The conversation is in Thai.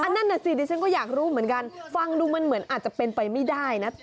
นั่นน่ะสิดิฉันก็อยากรู้เหมือนกันฟังดูมันเหมือนอาจจะเป็นไปไม่ได้นะ